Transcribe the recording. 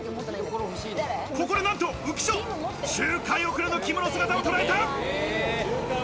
ここで何と浮所、周回遅れのきむの姿をとらえた！